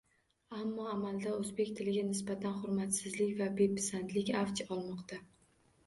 Ammo amalda o‘zbek tiliga nisbatan hurmatsizlik va bepisandlik avj olmoqda.